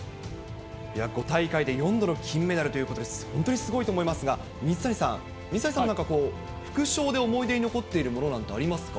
大会で４度の金メダルということで、本当にすごいと思いますが、水谷さん、水谷さんはなんかこう、副賞で思い出に残っているものなんてありますか？